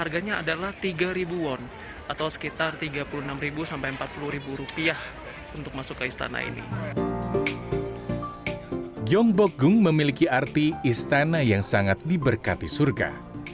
gyongbokgung memiliki arti istana yang sangat diberkati surga